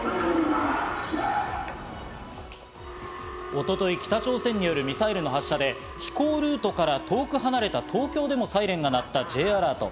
一昨日、北朝鮮によるミサイルの発射で飛行ルートから遠く離れた東京でもサイレンが鳴ったＪアラート＝